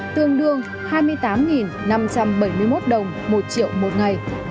tương đương hai mươi tám năm trăm bảy mươi một đồng một triệu một ngày